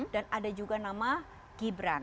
dan ada juga nama gibran